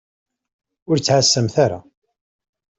Ur ttɛasamt ara.